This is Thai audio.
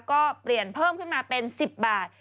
ก็เปลี่ยนเพิ่มขึ้นมาเป็น๑๐บาท